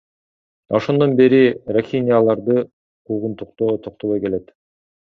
Ошондон бери рохиняларды куугунтуктоо токтобой келет.